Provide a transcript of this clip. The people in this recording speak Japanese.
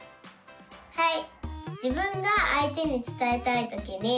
はい。